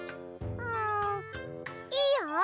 んいいよ。